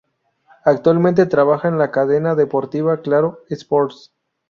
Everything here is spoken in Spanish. Actualmente trabaja en la cadena deportiva Claro Sports.